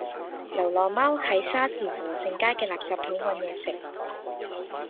流浪貓喺沙田禾盛街嘅垃圾桶搵野食